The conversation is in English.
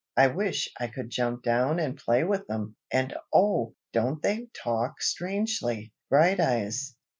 "I wish I could jump down and play with them! and oh! don't they talk strangely, Brighteyes?